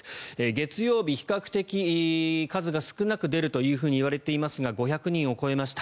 月曜日、比較的数が少なく出るといわれていますが５００人を超えました。